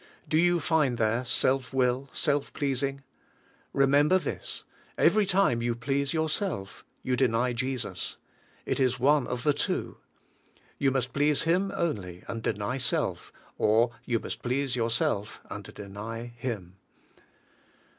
Do you find there self will, self pleasing? Remember this: every time you please yourself, you deny Jesus. It is one of the two. You must please Him only, and deny self, or you must please yourself and deny Him.